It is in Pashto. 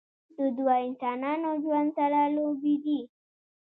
د دوه انسانانو ژوند سره لوبې دي